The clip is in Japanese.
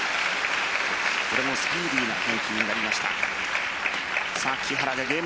これもスピーディーな返球になりました。